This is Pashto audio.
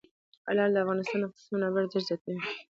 لعل د افغانستان د اقتصادي منابعو ارزښت زیاتوي.